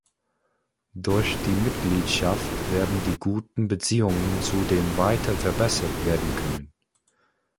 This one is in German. Durch die Mitgliedschaft werden die guten Beziehungen zudem weiter verbessert werden können.